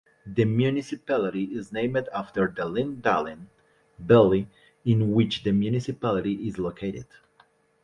The municipality is named after the Lyngdalen valley in which the municipality is located.